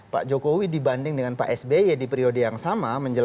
pak jokowi dibanding dengan pak sby di periode yang sama